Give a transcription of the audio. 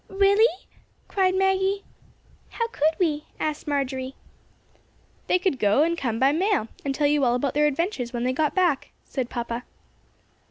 "Really?" cried Maggie. "How could we?" asked Marjory. "They could go and come by mail, and tell you all about their adventures when they got back," said papa.